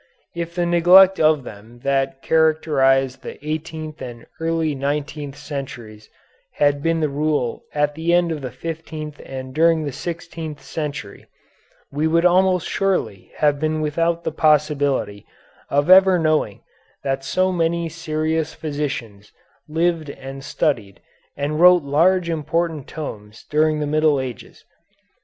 If the neglect of them that characterized the eighteenth and early nineteenth centuries had been the rule at the end of the fifteenth and during the sixteenth century, we would almost surely have been without the possibility of ever knowing that so many serious physicians lived and studied and wrote large important tomes during the Middle Ages.